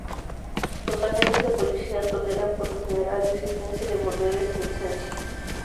Los agentes de policía toleran por lo general la existencia de burdeles sin licencia.